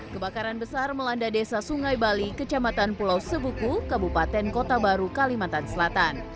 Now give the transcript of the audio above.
kebakaran besar melanda desa sungai bali kecamatan pulau sebuku kabupaten kota baru kalimantan selatan